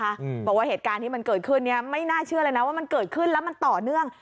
บอกว่าเหตุการณ์ที่มันเกิดขึ้นเนี้ยไม่น่าเชื่อเลยนะว่ามันเกิดขึ้นแล้วมันต่อเนื่อง